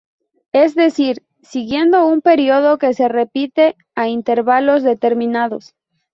Es decir, siguiendo un período que se repite a intervalos determinados.